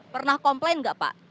pernah komplain nggak pak